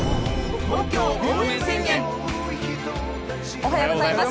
おはようございます。